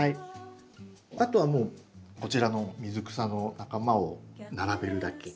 あとはもうこちらの水草の仲間を並べるだけ。